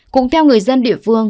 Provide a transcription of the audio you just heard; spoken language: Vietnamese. cũng theo người dân địa phương